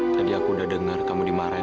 tadi aku udah dengar kamu dimarahin